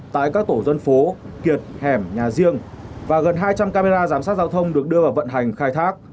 tại các tổ dân phố kiệt hẻm nhà riêng và gần hai trăm linh camera giám sát giao thông được đưa vào vận hành khai thác